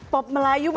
pop melayu masih